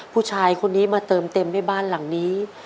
ผู้ชายคนนี้มาเติมเต็มให้บ้านหลังนี้